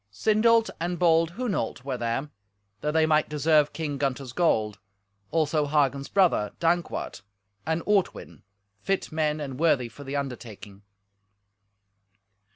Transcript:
Sindolt and bold Hunolt were there, that they might deserve King Gunther's gold; also Hagen's brother, Dankwart, and Ortwin, fit men and worthy for the undertaking.